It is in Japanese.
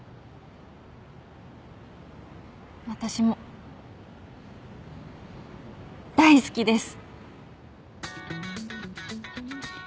私も大好きです！